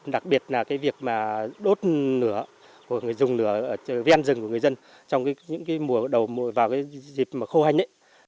đặc biệt là cái việc mà đốt nửa của người dùng nửa ven rừng của người dân trong những mùa đầu vào dịp khô hành